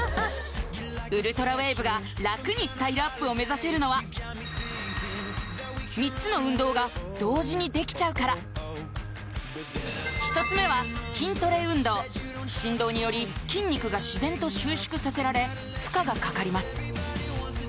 ウルトラウェーブが楽にスタイルアップを目指せるのは３つの運動が同時にできちゃうから１つ目は筋トレ運動振動により筋肉が自然と収縮させられ負荷がかかります